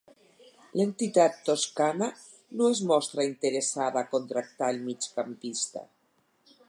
L'entitat toscana no es mostra interessada a contractar el migcampista.